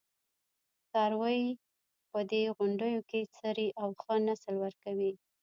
څاروي په دې غونډیو کې څري او ښه نسل ورکوي.